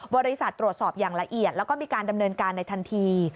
ตรวจสอบอย่างละเอียดแล้วก็มีการดำเนินการในทันที